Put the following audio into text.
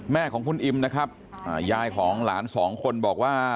แม่ของคุณอิมนะครับยายของหลานสองคนบอกว่า